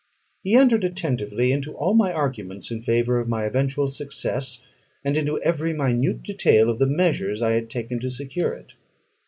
He entered attentively into all my arguments in favour of my eventual success, and into every minute detail of the measures I had taken to secure it.